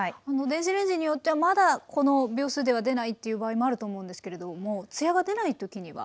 電子レンジによってはまだこの秒数では出ないっていう場合もあると思うんですけれどもつやが出ない時には？